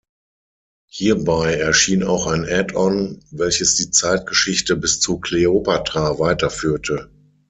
Hierbei erschien auch ein Add-on, welches die Zeitgeschichte bis zu Kleopatra weiterführte.